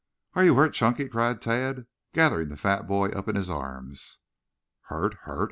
"Are you hurt, Chunky?" cried Tad, gathering the fat boy up in his arms. "Hurt? Hurt?"